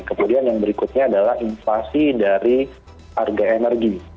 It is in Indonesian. kemudian yang berikutnya adalah inflasi dari harga energi